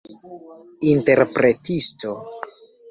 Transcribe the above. interpretisto